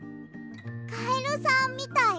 カエルさんみたい？